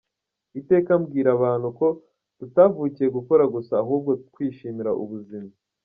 Iteka mbwira abantu ko tutavukiye gukora gusa ahubwo kwishimira ubuzima.